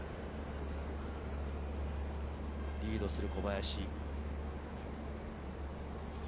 リードする小林。